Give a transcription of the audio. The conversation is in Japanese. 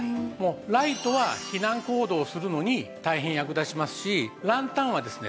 ライトは避難行動をするのに大変役立ちますしランタンはですね